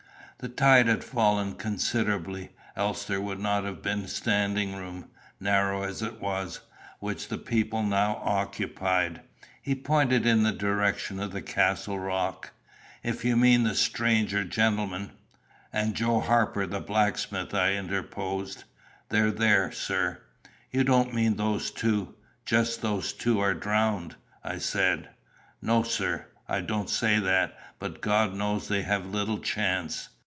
The tide had fallen considerably, else there would not have been standing room, narrow as it was, which the people now occupied. He pointed in the direction of the Castle rock. "If you mean the stranger gentleman " "And Joe Harper, the blacksmith," I interposed. "They're there, sir." "You don't mean those two just those two are drowned?" I said. "No, sir; I don't say that; but God knows they have little chance."